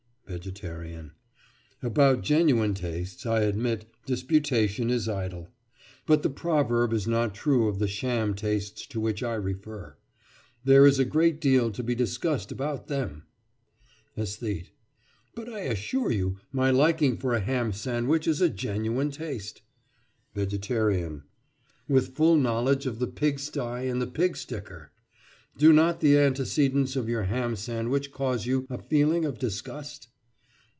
_ VEGETARIAN: About genuine tastes, I admit, disputation is idle. But the proverb is not true of the sham tastes to which I refer. There is a great deal to be discussed about them. ÆSTHETE: But I assure you my liking for a ham sandwich is a genuine taste. VEGETARIAN: With full knowledge of the pig sty and the pig sticker. Do not the antecedents of your ham sandwich cause you a feeling of disgust?